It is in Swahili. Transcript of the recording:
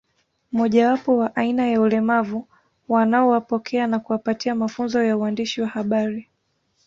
Mojawapo wa aina ya ulemavu wanaowapokea na kuwapatia mafunzo ya uandishi wa habari